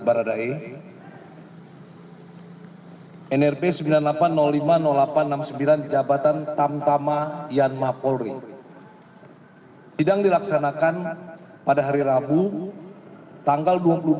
baradae nrp sembilan puluh delapan lima delapan ratus enam puluh sembilan jabatan tamtama yanma polri sidang dilaksanakan pada hari rabu tanggal dua puluh empat